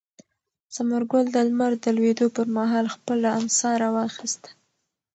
ثمر ګل د لمر د لوېدو پر مهال خپله امسا راواخیسته.